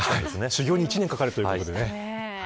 修行に１年かかるということでね。